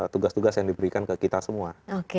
tugas tugas yang diberikan ke kita semua